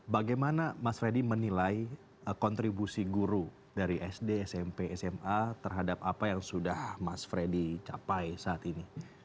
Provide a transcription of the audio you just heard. bagaimana mas freddy menilai kontribusi guru dari sd smp sma terhadap apa yang sudah mas freddy capai saat ini